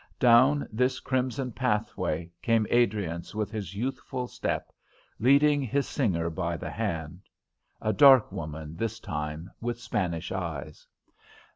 Down this crimson pathway came Adriance with his youthful step, leading his singer by the hand; a dark woman this time, with Spanish eyes.